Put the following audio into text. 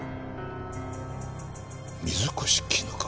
「水越絹香」！